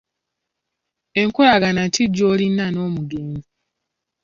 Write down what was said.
Enkolagana ki gy'olina n'omugenzi?